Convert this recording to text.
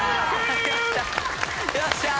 よっしゃ！